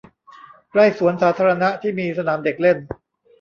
ใกล้สวนสาธารณะที่มีสนามเด็กเล่น